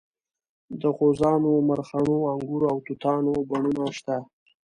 د غوزانو مرخڼو انګورو او توتانو بڼونه شته.